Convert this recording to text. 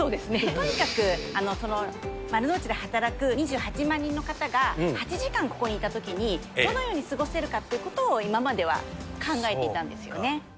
とにかく、丸の内で働く２８万人の方が、８時間ここにいたときに、どのように過ごせるかってことを今までは考えていたんですよね。